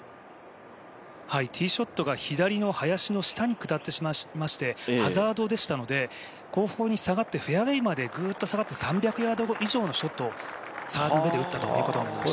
ティーショットが左の林の下に下ってしまいましてハザードでしたので後方に下がってフェアウエーまでぐっと下がって３００ヤード以上のショットをサードで打ったということでした。